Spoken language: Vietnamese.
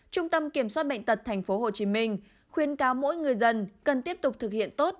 trung tâm kiểm soát bệnh tật tp hcm khuyên cáo mỗi người dân cần tiếp tục thực hiện tốt